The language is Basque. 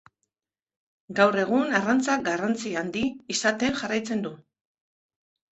Gaur egun arrantzak garrantzia handi izaten jarraitzen du.